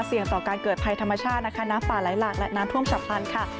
เสี่ยงต่อการเกิดภัยธรรมชาติเลยนะคะน้ำป่าไหลหลากและน้ำพ่วงฉะพลัดค่ะ